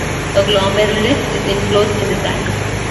A glomerulus is enclosed in the sac.